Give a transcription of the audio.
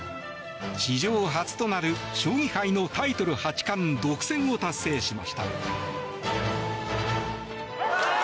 史上初となる将棋界のタイトル八冠独占を達成しました。